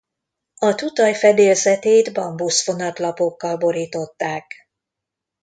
A tutaj fedélzetét bambuszfonat-lapokkal borították.